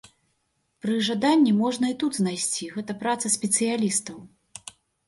Пры жаданні можна і тут знайсці, гэта праца спецыялістаў.